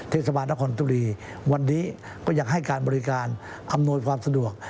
เทศบาลนครตุรีวันนี้ก็ยังให้การบริการอำนวยความสะดวก